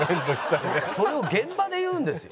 それを現場で言うんですよ